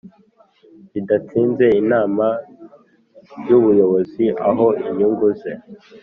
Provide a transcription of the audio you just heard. bidatinze Inama y Ubuyobozi aho inyungu ze